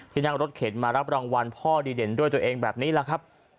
นั่งรถเข็นมารับรางวัลพ่อดีเด่นด้วยตัวเองแบบนี้แหละครับ